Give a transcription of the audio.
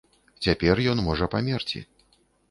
Цяпер ён можа памерці.